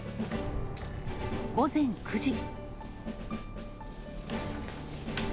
午前９時。